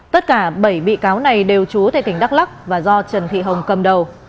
tất cả bảy bị cáo này đều trú tại tỉnh đắk lắc và do trần thị hồng cầm đầu